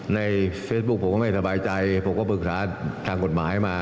ในเฟซบุ๊คผมก็ไม่สบายใจผมก็ปรึกษาทางกฎหมายมา